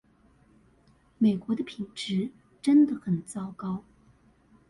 美國的品質真的很糟糕